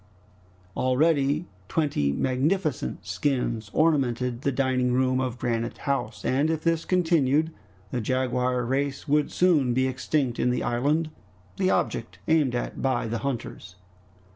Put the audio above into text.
Already twenty magnificent skins ornamented the dining room of Granite House, and if this continued, the jaguar race would soon be extinct in the island, the object aimed at by the hunters.